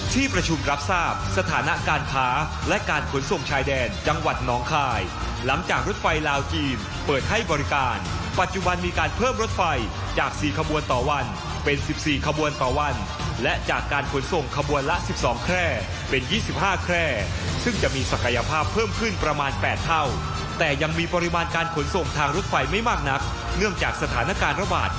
ที่ประชุมรับทราบสถานะการค้าและการขนส่งชายแดนจังหวัดน้องคายหลังจากรถไฟลาวจีนเปิดให้บริการปัจจุบันมีการเพิ่มรถไฟจาก๔ขบวนต่อวันเป็น๑๔ขบวนต่อวันและจากการขนส่งขบวนละ๑๒แคร่เป็น๒๕แคร่ซึ่งจะมีศักยภาพเพิ่มขึ้นประมาณ๘เท่าแต่ยังมีปริมาณการขนส่งทางรถไฟไม่มากนักเนื่องจากสถานการณ์ระบาด